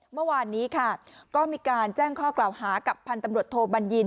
เมื่อวานนี้ค่ะก็มีการแจ้งข้อกล่าวหากับพันธุ์ตำรวจโทบัญญิน